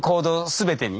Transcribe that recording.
全てに。